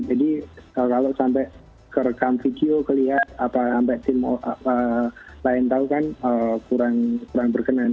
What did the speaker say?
kalau sampai kerekam video kelihatan apa sampai tim lain tau kan kurang berkenan